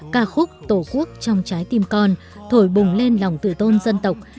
ca khúc tổ quốc trong trái tim con thổi bùng lên lòng tự tôn dân tộc